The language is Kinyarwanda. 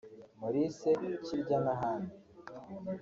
Maurice Kirya n’abandi